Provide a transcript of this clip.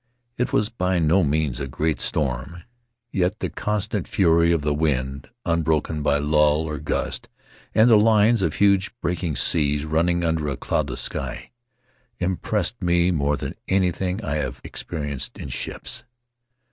It was by no means a great storm, yet the constant fury of the wind, unbroken by lull or gust, and the lines of huge breaking seas running under a cloudless sky impressed me more than anything I have experienced in ships.